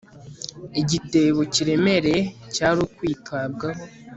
Igitebo kiremereye cyari ukwitaho